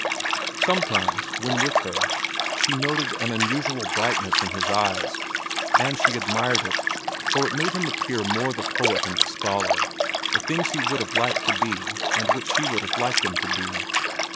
Sometimes, when with her, she noted an unusual brightness in his eyes, and she admired it, for it made him appear more the poet and the scholar—the things he would have liked to be and which she would have liked him to be.